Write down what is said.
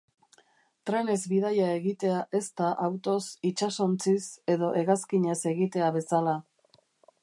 Trenez bidaia egitea ez da autoz, itsasontziz edo hegazkinez egitea bezala.